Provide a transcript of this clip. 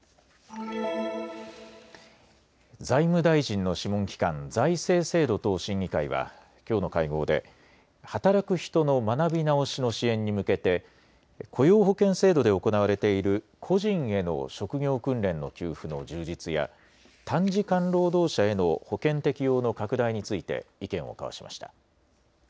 財務大臣の諮問機関、財政制度等審議会はきょうの会合で働く人の学び直しの支援に向けて雇用保険制度で行われている個人への職業訓練の給付の充実や短時間労働者への保険適用の拡大について意見を交わしました。